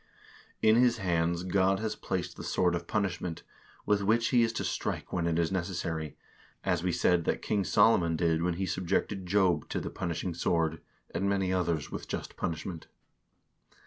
In his hands God has placed the sword of punishment, with which he is to strike when it is necessary, as we said that King Solomon did when he subjected Joab to the punishing sword, and many others, with just punishment."